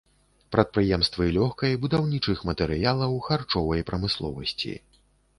Прадпрыемствы лёгкай, будаўнічых матэрыялаў, харчовай прамысловасці.